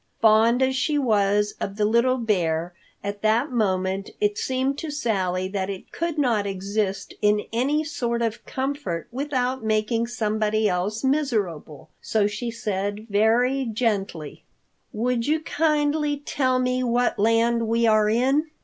Fond as she was of the little bear, at that moment it seemed to Sally that it could not exist in any sort of comfort without making somebody else miserable. So she said very gently, "Would you kindly tell me what land we are in?"